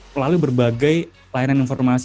melalui berbagai layanan informasi